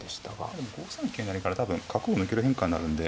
でも５三桂成から多分角を抜ける変化になるんで。